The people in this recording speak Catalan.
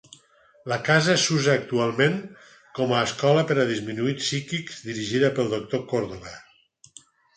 La casa s'usa actualment com a Escola per a disminuïts psíquics dirigida pel Doctor Córdoba.